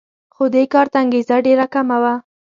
خو دې کار ته انګېزه ډېره کمه وه